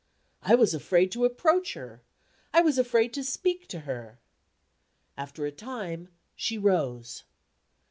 I was afraid to approach her; I was afraid to speak to her. After a time, she rose.